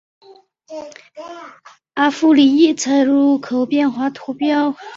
阿夫里耶莱蓬索人口变化图示